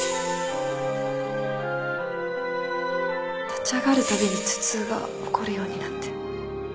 立ち上がるたびに頭痛が起こるようになって